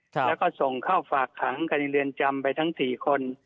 แล้วก็ส่งเข้าฝากขังกันในเรือนจำไปทั้ง๔คน